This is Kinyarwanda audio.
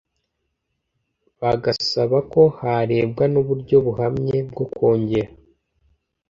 bagasaba ko harebwa n’uburyo buhamye bwo kongera